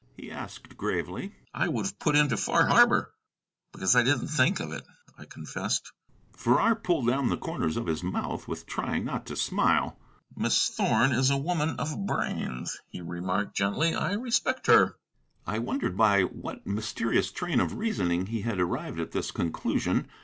he asked gravely. "I would have put into Far Harbor." "Because I didn't think of it," I confessed. Farrar pulled down the corners of his mouth with trying not to smile. "Miss Thorn is a woman of brains," he remarked gently; "I respect her." I wondered by what mysterious train of reasoning he had arrived at this conclusion.